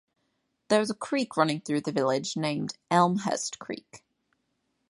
There is a creek running through the village named Elmhurst creek.